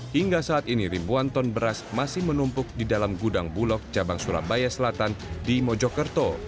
hingga saat ini ribuan ton beras masih menumpuk di dalam gudang bulog cabang surabaya selatan di mojokerto